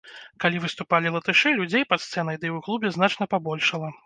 Калі выступалі латышы людзей пад сцэнай, ды і ў клубе, значна пабольшала.